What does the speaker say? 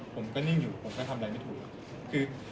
ผมก็นิ่งอยู่ผมก็ทำอะไรไม่ถูกครับ